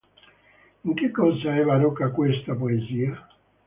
In che cosa è barocca questa poesia?